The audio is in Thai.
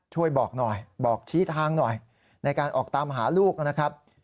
ช่วยบอกหน่อยบอกชี้ทางหน่อยในการออกตามหาลูกนะครับ